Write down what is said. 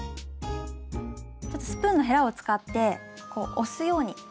ちょっとスプーンのへらを使ってこう押すように。